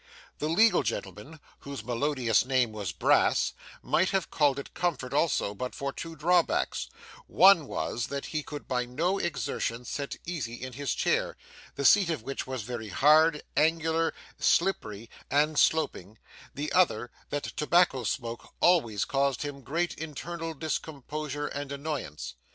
The legal gentleman, whose melodious name was Brass, might have called it comfort also but for two drawbacks: one was, that he could by no exertion sit easy in his chair, the seat of which was very hard, angular, slippery, and sloping; the other, that tobacco smoke always caused him great internal discomposure and annoyance.